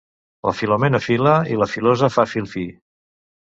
La Filomena fila i la filosa fa fil fi.